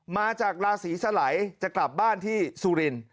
มาจากราศีสไหลจะกลับบ้านที่ซูริน